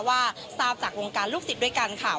ว่าทราบจากวงการลูกศิษย์ด้วยกันค่ะ